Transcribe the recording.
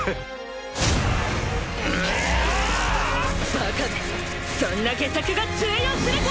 バカめそんな下策が通用するか！